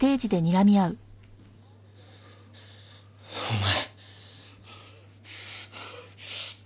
お前。